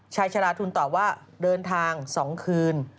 ชาลาทุนตอบว่าเดินทาง๒คืน